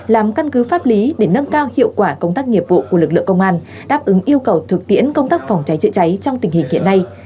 làm căn cứ pháp lý để nâng cao hiệu quả công tác nghiệp vụ của lực lượng công an đáp ứng yêu cầu thực tiễn công tác phòng cháy chữa cháy trong tình hình hiện nay